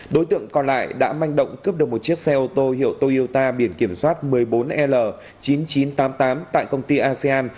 đối tượng còn lại đã manh động cướp được một chiếc xe ô tô hiệu toyota biển kiểm soát một mươi bốn l chín nghìn chín trăm tám mươi tám tại công ty asean